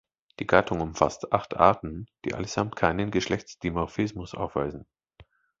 Die Gattung umfasst acht Arten, die allesamt keinen Geschlechtsdimorphismus aufweisen.